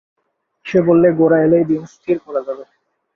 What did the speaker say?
সে বললে, গোরা এলেই দিন স্থির করা যাবে।